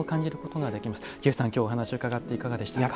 ジェフさんきょうお話を伺っていかがでしたか？